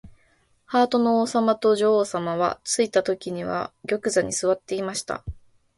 ハートの王さまと女王さまは、ついたときには玉座にすわっていました。